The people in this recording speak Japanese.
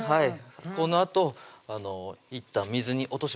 このあといったん水に落とします